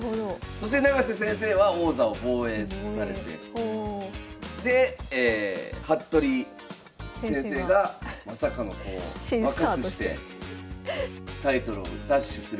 そして永瀬先生は王座を防衛されてで服部先生がまさかの若くしてタイトルを奪取する。